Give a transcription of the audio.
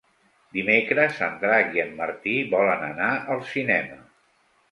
Dimecres en Drac i en Martí volen anar al cinema.